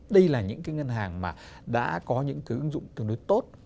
đây là những cái ngân hàng mà đã có những cái ứng dụng tương đối tốt